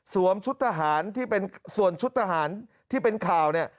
ชุดทหารที่เป็นส่วนชุดทหารที่เป็นข่าวเนี่ย